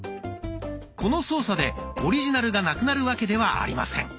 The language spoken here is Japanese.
この操作でオリジナルがなくなるわけではありません。